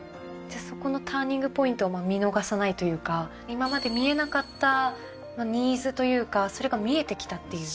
そこのターニングポイントを見逃さないというか今まで見えなかったニーズというかそれが見えてきたっていう。